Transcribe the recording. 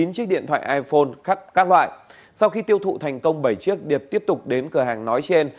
chín chiếc điện thoại iphone các loại sau khi tiêu thụ thành công bảy chiếc điệp tiếp tục đến cửa hàng nói trên